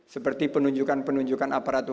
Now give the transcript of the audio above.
seperti penunjukan penunjukan aparat umum